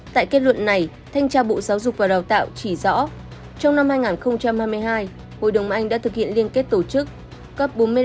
tại kết luận này thanh tra bộ giáo dục và đào tạo chỉ rõ trong năm hai nghìn hai mươi hai hội đồng anh đã thực hiện liên kết tổ chức